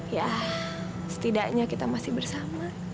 ya setidaknya kita masih bersama